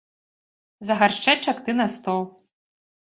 За гаршчэчак ды на стол.